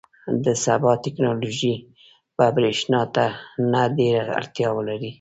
• د سبا ټیکنالوژي به برېښنا ته ډېره اړتیا ولري.